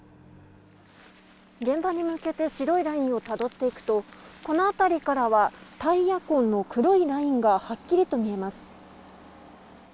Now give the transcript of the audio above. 現場に向けて白いラインをたどっていくとこの辺りからはタイヤ痕の黒いラインがはっきりと見えます。